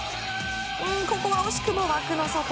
ここは惜しくも枠の外。